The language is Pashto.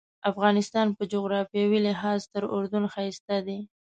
افغانستان په جغرافیوي لحاظ تر اردن ښایسته دی.